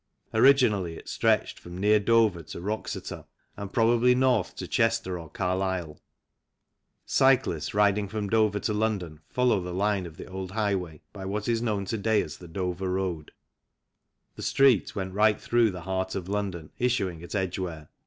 Originally, it stretched from near Dover to Wroxeter and probably north to Chester or Carlisle. Cyclists riding from Dover to London follow the line of the old highway by what is known to day as the Dover Road ; the Street went right through the heart of London, issuing at Edgware.